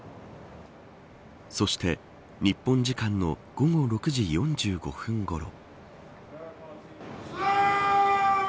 そして日本時間の午後６時４５分ごろ。